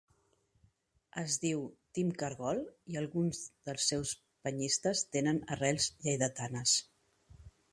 Es diu ‘Team Cargol’ i alguns dels seus penyistes tenen arrels lleidatanes.